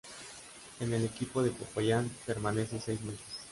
En el equipo de Popayán permanece seis meses.